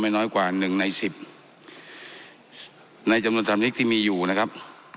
น้อยกว่าหนึ่งในสิบในจำนวนสำลิกที่มีอยู่นะครับ